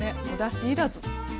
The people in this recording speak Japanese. おだし要らず！